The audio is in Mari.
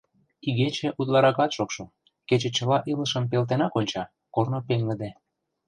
Игече утларакат шокшо, кече чыла илышым пелтенак онча, корно пеҥгыде.